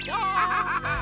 ハハハハ！